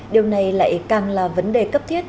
điều này lại càng là vấn đề cấp thiết